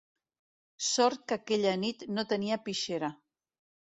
Sort que aquella nit no tenia pixera.